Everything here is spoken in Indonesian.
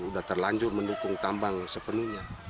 sudah terlanjur mendukung tambang sepenuhnya